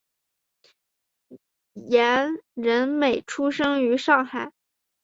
严仁美出生于上海。